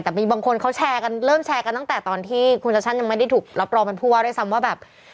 แต่มีบางคนเขาแชร์กันเริ่มแชร์กันตั้งแต่ตอนที่คุณชัชชั่นยังไม่ได้ถูกรับรองเป็นผู้ว่าด้วยซ้ำว่าแบบ